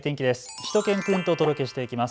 しゅと犬くんとお届けしていきます。